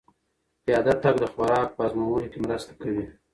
پیاده تګ د خوراک په هضمولو کې مرسته کوي.